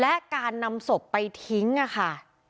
และการนำศพไปทิ้งค่ะ